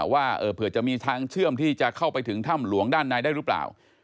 ว่าเผื่อจะมีทางเชื่อมที่จะเข้าไปถึงถ้ำหลวงด้านในได้หรือเปล่า